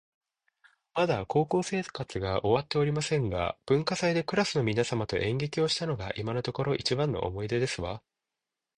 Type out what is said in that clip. まだ高校生活が終わっておりませんが、文化祭でクラスの皆様と演劇をしたのが今のところ一番の思い出ですわ